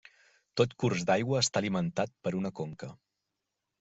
Tot curs d'aigua està alimentat per una conca.